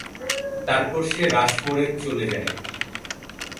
তারপর সে রাশমোরে চলে যায়।